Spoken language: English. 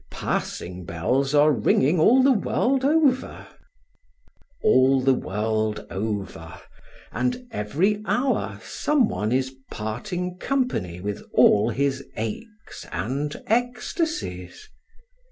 Passing bells are ringing all the world over. All the world over, and every hour, someone is parting company with all his aches and ecstasies.